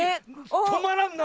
とまらんな！